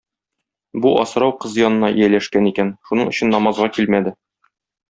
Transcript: Бу асрау кыз янына ияләшкән икән, шуның өчен намазга килмәде.